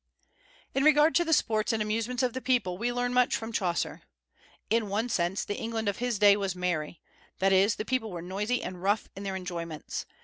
In regard to the sports and amusements of the people, we learn much from Chaucer. In one sense the England of his day was merry; that is, the people were noisy and rough in their enjoyments.